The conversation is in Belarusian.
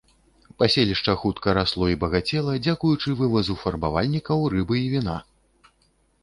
Паселішча хутка расло і багацела дзякуючы вывазу фарбавальнікаў, рыбы і віна.